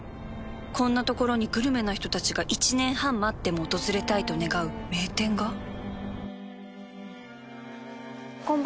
こんな所にグルメな人たちが１年半待っても訪れたいと願う名店がこんばんは。